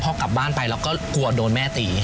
พอกลับบ้านไปเราก็กลัวโดนแม่ตี